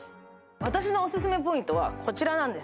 私のオススメポイントはこちらなんです。